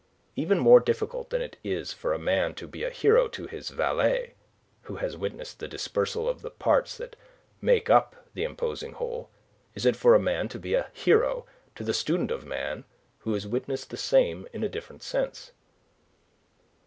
Even more difficult than it is for a man to be a hero to his valet who has witnessed the dispersal of the parts that make up the imposing whole is it for a man to be a hero to the student of Man who has witnessed the same in a different sense.